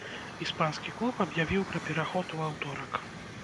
Іспанскі клуб аб'явіў пра пераход у аўторак.